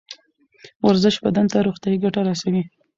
ورزش بدن ته روغتیایی ګټه رسوي